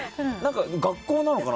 学校なのかな。